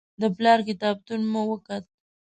د پلار کتابتون مو وکت.